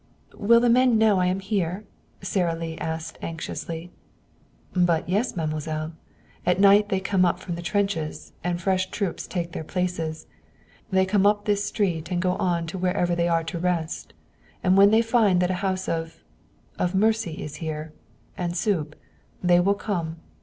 "Will the men know I am here?" Sara Lee asked anxiously. "But, yes, mademoiselle. At night they come up from the trenches, and fresh troops take their places. They come up this street and go on to wherever they are to rest. And when they find that a house of mercy is here and soup, they will come.